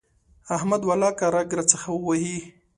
احمد ولاکه رګ راڅخه ووهي.